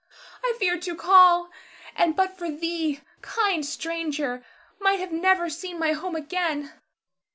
I feared to call, and but for thee, kind stranger, might have never seen my home again.